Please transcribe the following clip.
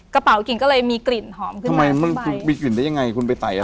กระเป๋ากลิ่นก็เลยมีกลิ่นหอมขึ้นมาทำไมมันมีกลิ่นได้ยังไงคุณไปใส่อะไร